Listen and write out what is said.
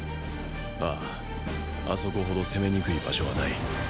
あああそこほど攻めにくい場所はない。